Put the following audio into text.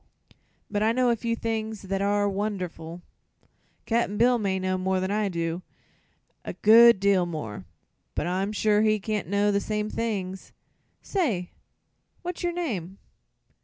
But I know a few things that are wonderful. Cap'n Bill may know more'n I do a good deal more but I'm sure he can't know the same things. Say, what's your name?"